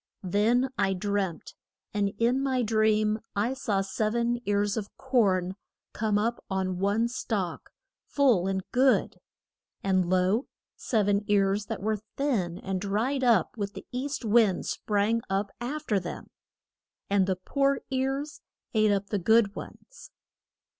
Then I dreamt, and in my dream I saw sev en ears of corn come up on one stalk, full and good. And lo, sev en ears that were thin and dried up with the east wind sprang up af ter them. And the poor ears ate up the good ones.